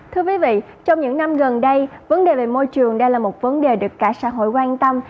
thưa quý vị trong những năm gần đây vấn đề về môi trường đang là một vấn đề được cả xã hội quan tâm